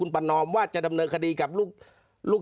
เจ้าหน้าที่แรงงานของไต้หวันบอก